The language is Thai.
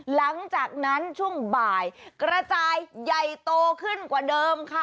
หลังจากนั้นช่วงบ่ายกระจายใหญ่โตขึ้นกว่าเดิมค่ะ